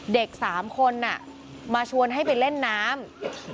เด็ก๓คนมาชวนให้ไปเล่นน้ำ